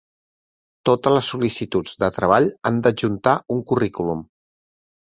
Totes les sol·licituds de treball han d'adjuntar un currículum.